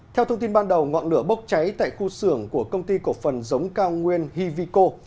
theo thông tin ban đầu ngọn lửa bốc cháy tại khu xưởng của công ty cổ phần giống cao nguyên hivico